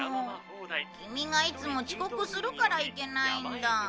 キミがいつも遅刻するからいけないんだ。